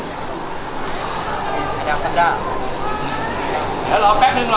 เดี๋ยวรอแป๊บนึงรอแป๊บนึง